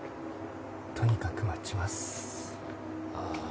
とにかく待ちますああ